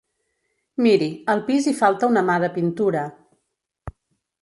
Miri, al pis hi falta una mà de pintura...